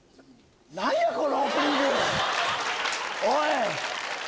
おい！